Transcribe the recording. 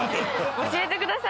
教えてください